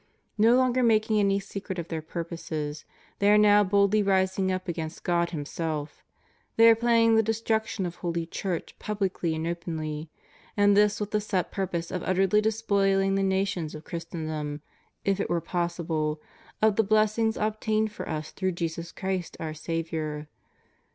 No longer making any secret of their purposes, they axe now boldly rising up against God Himself. They are planning the destruction of holy Church publicly and openly, and this with the set pur pose of utterly despoihng the nations of Christendom, if it were possible, of the blessings obtained for us through Jesus Christ our Saviour.